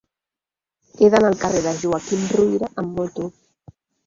He d'anar al carrer de Joaquim Ruyra amb moto.